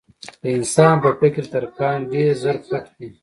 د انسان په فکر کې تر کان ډېر زر پټ دي.